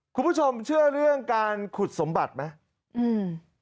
คุณผู้ชมเชื่อเรื่องการขุดสมบัติไหมอืม